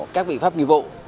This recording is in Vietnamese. các biện pháp nghiệp vụ